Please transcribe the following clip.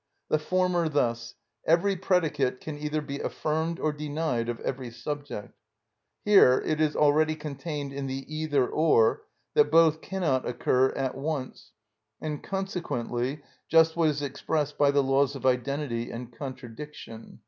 The former thus: "Every predicate can either be affirmed or denied of every subject." Here it is already contained in the "either, or" that both cannot occur at once, and consequently just what is expressed by the laws of identity and contradiction.